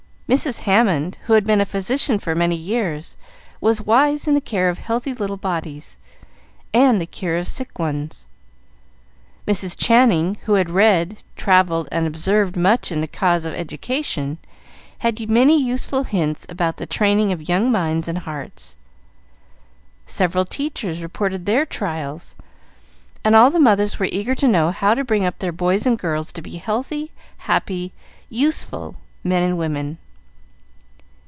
Mrs. Hammond, who had been a physician for many years, was wise in the care of healthy little bodies, and the cure of sick ones. Mrs. Channing, who had read, travelled, and observed much in the cause of education, had many useful hints about the training of young minds and hearts. Several teachers reported their trials, and all the mothers were eager to know how to bring up their boys and girls to be healthy, happy, useful men and women.